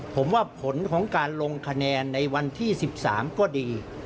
ผมว่าผลของการลงคะแนนในวันที่๑๓ก็ดี